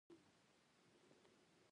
په هغه برید کې د حماس پنځه غړي وژل شوي وو